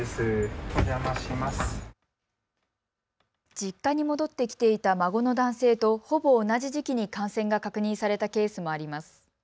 実家に戻ってきていた孫の男性とほぼ同じ時期に感染が確認されたケースもあります。